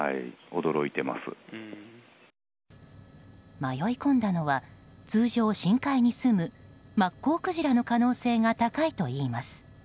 迷い込んだのは通常、深海にすむマッコウクジラの可能性が高いといいます。